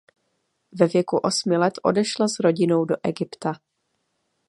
Ve věku osmi let odešla s rodinou z Egypta.